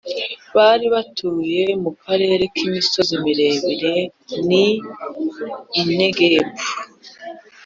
bari batuye mu karere k’imisozi miremire n’i Negebu